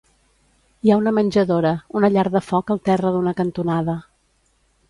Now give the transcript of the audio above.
Hi ha una menjadora, una llar de foc al terra d'una cantonada.